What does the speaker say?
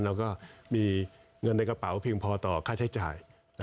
แล้วก็มีเงินในกระเป๋าเพียงพอต่อค่าใช้จ่าย